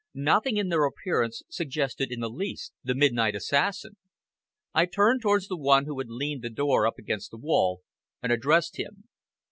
Nothing in their appearance suggested in the least the midnight assassin! I turned towards the one who had leaned the door up against the wall, and addressed him.